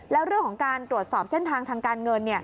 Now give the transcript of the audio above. แล้วเรื่องของการตรวจสอบเส้นทางทางการเงิน